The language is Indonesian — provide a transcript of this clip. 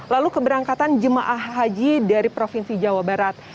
lalu keberangkatan jemaah haji dari provinsi jawa barat